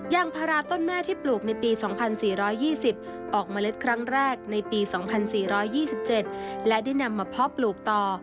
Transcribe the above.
ยางพาราต้นแม่ที่ปลูกในปี๒๔๒๐ออกเมล็ดครั้งแรกในปี๒๔๒๗และได้นำมาเพาะปลูกต่อ